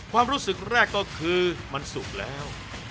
ความรู้สึกแรกก็คือมันสุกแล้ว